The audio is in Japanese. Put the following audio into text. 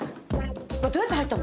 これどうやって入ったの？